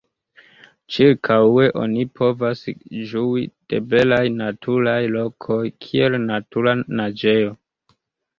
Ĉirkaŭe oni povas ĝui de belaj naturaj lokoj, kiel natura naĝejo.